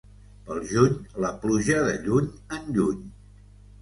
Pel juny, la pluja de lluny en lluny.